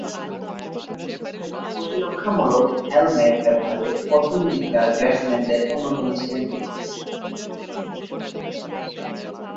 প্রতিরক্ষামূলক হেলমেট ব্যবহারে প্রথমদিককার ব্যাটসম্যানদের অন্যতম ছিলেন তিনি।